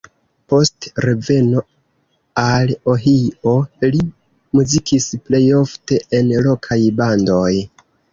Post reveno al Ohio li muzikis plejofte en lokaj bandoj.